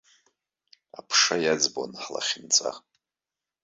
Аԥша иаӡбон ҳлахьынҵа.